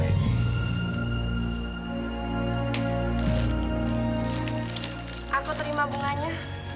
aku terima bunganya